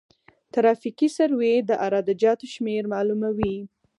ترافیکي سروې د عراده جاتو شمېر معلوموي